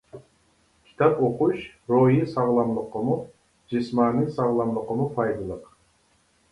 كىتاب ئوقۇش روھىي ساغلاملىققىمۇ، جىسمانىي ساغلاملىققىمۇ پايدىلىق.